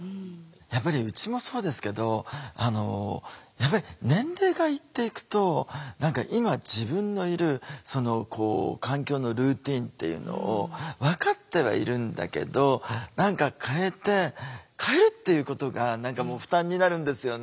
やっぱりうちもそうですけど年齢がいっていくと今自分のいる環境のルーティンっていうのを分かってはいるんだけど何か変えて変えるっていうことが何かもう負担になるんですよね。